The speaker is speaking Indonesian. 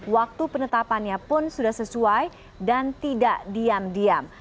waktu penetapannya pun sudah sesuai dan tidak diam diam